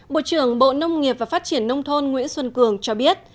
bộ trưởng bộ nông nghiệp và phát triển nông thôn nguyễn xuân cường cho biết